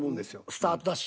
スタート。